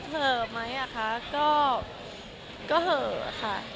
เหอะไหมอ่ะคะก็เหอะค่ะ